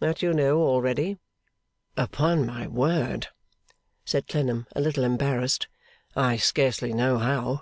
That you know already.' 'Upon my word,' said Clennam, a little embarrassed, 'I scarcely know how.